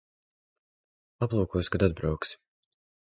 Aplūkosi, kad atbrauksi.